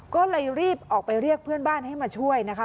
ก็เลยรีบออกไปเรียกเพื่อนบ้านให้มาช่วยนะคะ